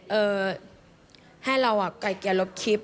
เอ่อให้เราแก่เกียรติลบคลิป